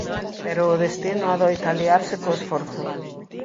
Pero o destino adoita aliarse co esforzo.